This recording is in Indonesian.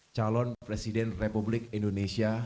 calon presiden republik indonesia